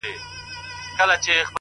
په لسگونو انسانان یې وه وژلي-